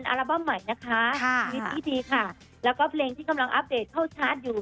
อัลบั้มใหม่นะคะชีวิตที่ดีค่ะแล้วก็เพลงที่กำลังอัปเดตเข้าชาร์จอยู่